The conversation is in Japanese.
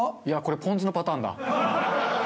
いやこれポン酢のパターンだ。